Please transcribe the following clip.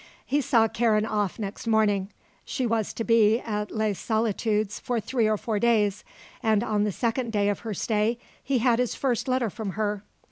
He saw Karen off next morning. She was to be at Les Solitudes for three or four days, and on the second day of her stay he had his first letter from her.